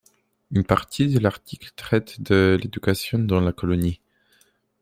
Une partie de l'article traite de l'éducation dans la colonie.